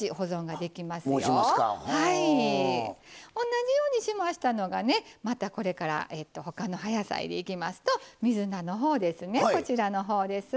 同じようにしましたのがねまたこれから他の葉野菜でいきますと水菜の方ですねこちらの方です。